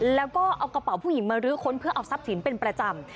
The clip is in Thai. แล้วก็เอากระเป๋าผู้หญิงมาลื้อค้นเพื่อเอาทรัพย์สินเป็นประจำ